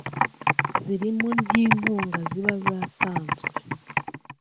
zirimo n’inkunga ziba zatanzwe